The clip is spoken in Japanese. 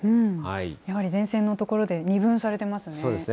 やはり前線の所で二分されてますね。